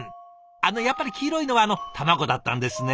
あのやっぱり黄色いのはあの卵だったんですね。